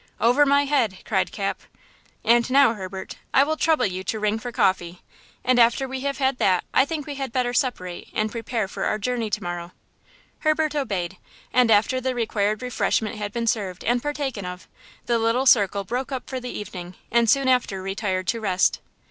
"Over my head," cried Cap. "And now, Herbert, I will trouble you to ring for coffee, and after we have had that I think we had better separate and prepare for our journey to morrow." Herbert obeyed, and, after the required refreshment had been served and partaken of, the little circle broke up for the evening and soon after retired to rest.